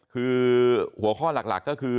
คือหัวข้อหลักก็คือ